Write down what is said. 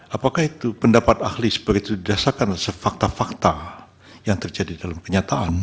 apakah itu pendapat ahli seperti itu didasarkan sefakta fakta yang terjadi dalam kenyataan